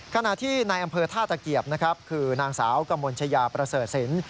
ขณะที่ในอำเภอท่าเกียบคือนางสาวกัมวลชายาประเสริษิน